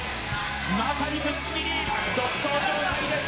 まさにぶっちぎり独走状態です